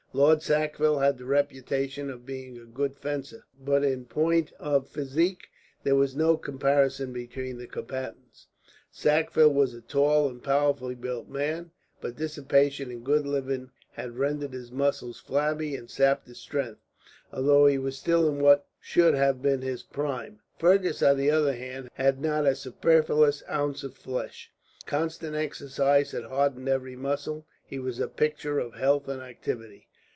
Lord Sackville had the reputation of being a good fencer, but in point of physique there was no comparison between the combatants. Sackville was a tall and powerfully built man, but dissipation and good living had rendered his muscles flabby and sapped his strength, although he was still in what should have been his prime. Fergus, on the other hand, had not a superfluous ounce of flesh. Constant exercise had hardened every muscle. He was a picture of health and activity.